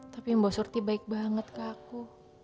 tapi mbak surti baik banget ke aku